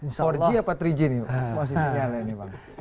empat g apa tiga g nih masih sinyalnya nih bang